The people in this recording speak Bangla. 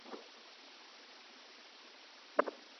তিনি নেহেরু রিপোর্টের বিরোধিতা করে।